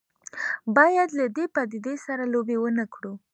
باید له دې پدیدې سره لوبې ونه کړو.